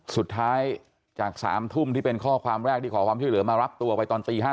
สุดท้ายจาก๓ทุ่มที่เป็นข้อความแรกที่ขอความช่วยเหลือมารับตัวไปตอนตี๕